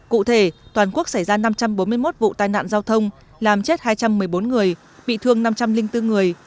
cụ thể toàn quốc xảy ra năm trăm bốn mươi một vụ tai nạn giao thông làm chết hai trăm một mươi bốn người bị thương năm trăm linh bốn người